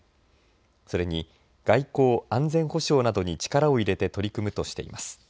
それに外交・安全保障などに力を入れて取り組むとしています。